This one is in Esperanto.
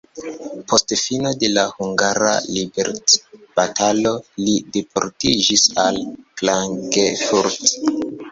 Post fino de la hungara liberecbatalo li deportiĝis al Klagenfurt.